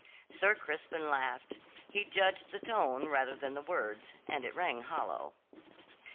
Sir Crispin laughed. He judged the tone rather than the words, and it rang hollow.